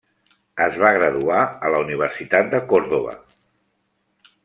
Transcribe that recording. Es va graduar a la Universitat de Còrdova.